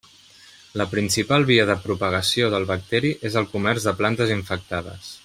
La principal via de propagació del bacteri és el comerç de plantes infectades.